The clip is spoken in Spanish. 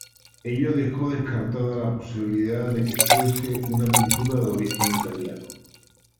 Ello dejó descartada la posibilidad de que fuese una pintura de origen italiano.